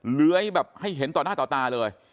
เลื้อยแบบให้เห็นต่อหน้าต่อตาเลย